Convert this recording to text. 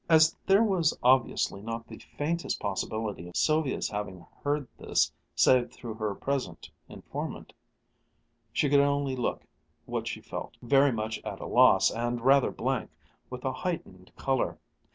As there was obviously not the faintest possibility of Sylvia's having heard this save through her present informant, she could only look what she felt, very much at a loss, and rather blank, with a heightened color.